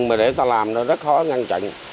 nhưng mà để ta làm nó rất khó ngăn chặn